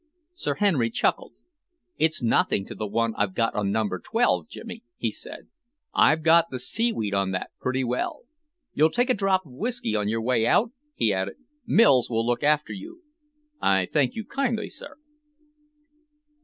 Sir Henry chuckled. "It's nothing to the one I've got on number twelve, Jimmy," he said. "I've got the seaweed on that, pretty well. You'll take a drop of whisky on your way out?" he added. "Mills will look after you." "I thank you kindly, sir."